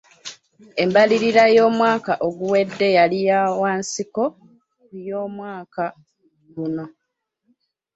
Embalirira y'omwaka oguwedde yali ya wansiko ku y'omwaka guno.